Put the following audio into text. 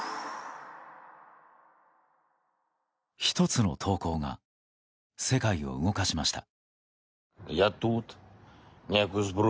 １つの投稿が世界を動かしました。